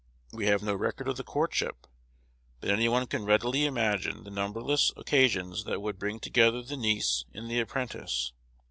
We have no record of the courtship, but any one can readily imagine the numberless occasions that would bring together the niece and the apprentice.